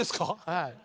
はい。